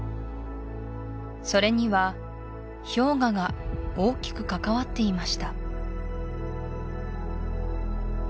それには氷河が大きく関わっていました